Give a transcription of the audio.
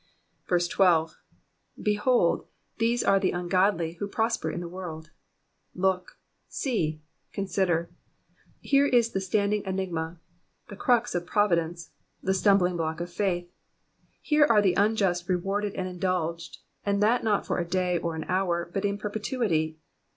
12. ^^JJeholdy these are the ungodly^ who prosper in the uorld.'^^ Look ! Bee ! Consider! Here is the standing eni^a I The crux of Providence ! The stumbling block of faith I Here are the unjust rewarded and indulged, and that not for a day or an hour, but in perpetuity.